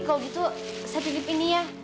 kalau gitu saya pitip ini ya